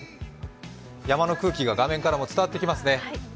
山の空気が画面からも伝わってきますね。